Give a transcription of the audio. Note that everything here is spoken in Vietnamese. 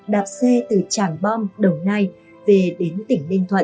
đạp xe từ tràng bom đồng nai về đến tỉnh ninh thuận